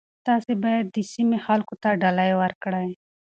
تاسي باید د سیمې خلکو ته ډالۍ ورکړئ.